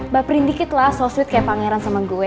baperin dikit lah soswit kayak pangeran sama gue